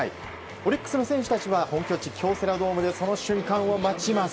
オリックスの選手たちは本拠地、京セラドームでその瞬間を待ちます。